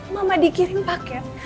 mama dikirim paket